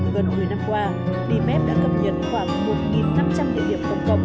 gần một mươi năm qua đi mép đã cập nhật khoảng một năm trăm linh địa điểm cộng cộng